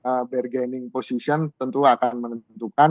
karena bargaining position tentu akan menentukan